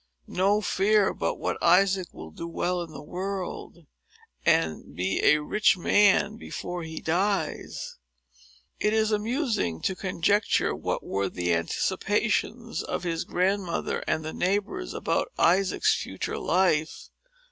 "No fear but what Isaac will do well in the world, and be a rich man before he dies." It is amusing to conjecture what were the anticipations of his grandmother and the neighbors, about Isaac's future life.